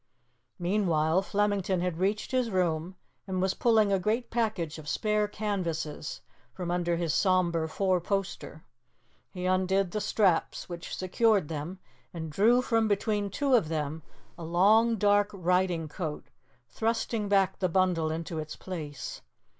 Meanwhile Flemington had reached his room and was pulling his great package of spare canvases from under his sombre four poster. He undid the straps which secured them and drew from between two of them a long dark riding coat, thrusting back the bundle into its place.